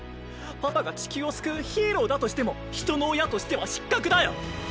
パパが地球を救うヒーローだとしても人の親としては失格だよ！